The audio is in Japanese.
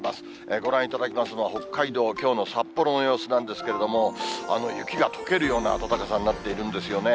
ご覧いただきますのは北海道、きょうの札幌の様子なんですけれども、雪がとけるような暖かさになっているんですよね。